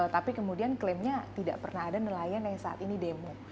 tapi kemudian klaimnya tidak pernah ada nelayan yang saat ini demo